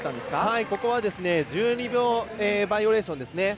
ここは１２秒バイオレーションですね。